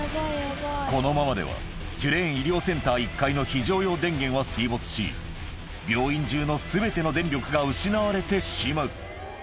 このままではテュレーン医療センター１階の非常用電源は水没し、病院中のすべての電力が失われてしまう。